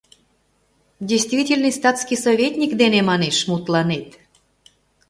Действительный статский советник дене, манеш, мутланет!